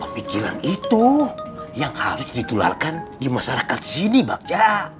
pikiran itu yang harus ditularkan di masyarakat sini bagja